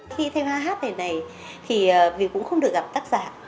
khi thành hoa hát này này thì vì cũng không được gặp tác giả